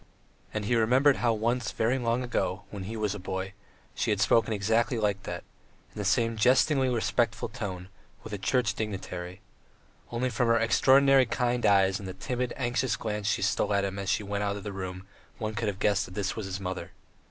And he remembered how once very long ago, when he was a boy, she had spoken exactly like that, in the same jestingly respectful tone, with a Church dignitary. ... Only from her extraordinarily kind eyes and the timid, anxious glance she stole at him as she went out of the room could one have guessed that this was his mother.